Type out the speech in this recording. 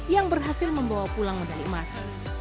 yang berhasil membawa pulang medali emas